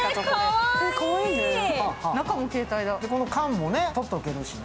この缶もとっとけるしね。